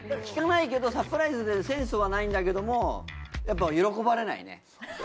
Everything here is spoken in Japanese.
聞かないけどサプライズでセンスはないんだけどもやっぱ喜ばれないね。